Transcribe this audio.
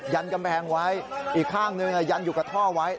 ันกำแพงไว้อีกข้างหนึ่งยันอยู่กับท่อไว้